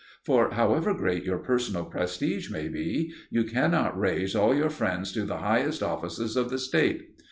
For, however great your personal prestige may be, you cannot raise all your friends to the highest offices of the State.